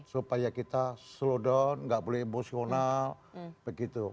supaya kita slow down nggak boleh emosional begitu